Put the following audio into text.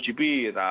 sudah ada banyak lah